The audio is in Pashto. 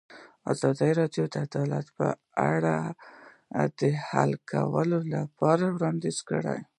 ازادي راډیو د عدالت په اړه د حل کولو لپاره وړاندیزونه کړي.